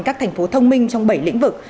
các thành phố thông minh trong bảy lĩnh vực